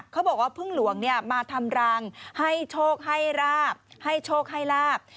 เขาบอกว่าพึ่งหลวงมาทำรังให้โชคให้ราบให้โชคให้ลาบ